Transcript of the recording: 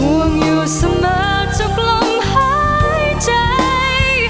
ห่วงอยู่เสมอทุกลมหายใจ